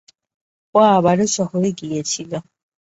ও আবারো শহরে গিয়েছিল।